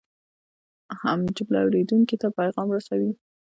جمله اورېدونکي ته پیغام رسوي.